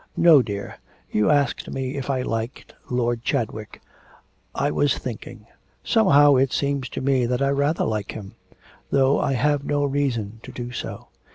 'No, dear. You asked me if I liked Lord Chadwick. I was thinking. Somehow it seems to me that I rather like him, though I have no reason to do so.